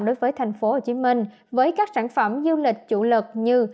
đối với tp hcm với các sản phẩm du lịch chủ lực như